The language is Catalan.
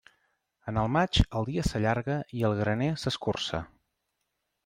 En el maig, el dia s'allarga i el graner s'escurça.